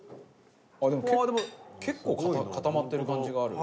あっでも結構固まってる感じがある。